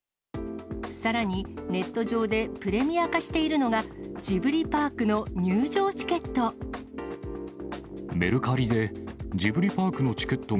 さらに、ネット上でプレミア化しているのが、ジブリパークの入場チケット。